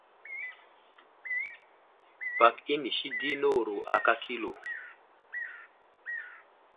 Bak inisi di newuro aka kilo.